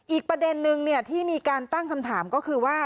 อีกประเด็นนึงที่มีการตั้งคำถามก็คือว่า